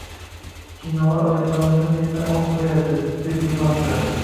Kinolar oyijonimni mendan olib qo`yapti, dedi yig`lamsirab